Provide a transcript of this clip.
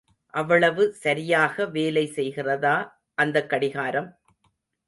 அவ்வளவு சரியாக வேலை செய்கிறதா அந்தக் கடிகாரம்?